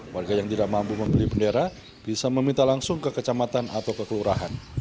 warga yang tidak mampu membeli bendera bisa meminta langsung ke kecamatan atau ke kelurahan